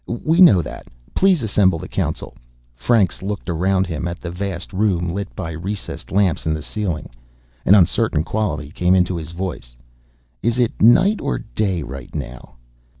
"We know that. Please assemble the Council." Franks looked around him at the vast room, lit by recessed lamps in the ceiling. An uncertain quality came into his voice. "Is it night or day right now?"